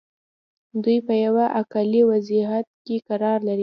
دوی په یوه عقلي وضعیت کې قرار لري.